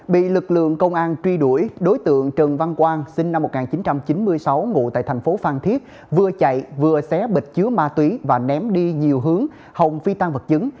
bị lực lượng công an truy đuổi đối tượng trần văn quang sinh năm một nghìn chín trăm chín mươi sáu ngụ tại thành phố phan thiết vừa chạy vừa xé bịt chứa ma túy và ném đi nhiều hướng hồng phi tăng vật chứng